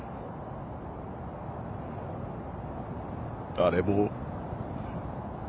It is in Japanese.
誰も。